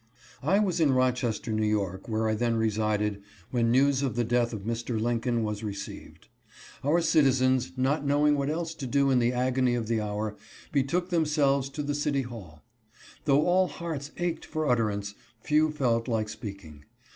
I was in Rochester, N. Y., where I then resided, when news of the death of Mr. Lincoln was received. Our citizens, not knowing what else to do in the agony of the hour, betook themselves to the city hall. Though all hearts ached for utterance, few felt like speaking.